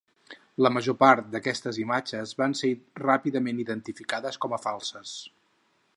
La major part d’aquestes imatges van ser ràpidament identificades com a falses.